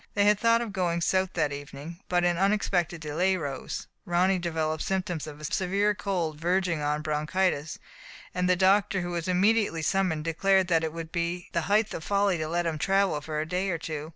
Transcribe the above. They had thought of going south that evening, but an unexpected delay arose. Ronny deVel Digitized by Google 264 THE FATE OF FEN ELL A. oped symptoms of a severe cold, verging on bronchitis, and the doctor, who was immediately summoned, declared that it would be the height of folly to let him travel for a day or two.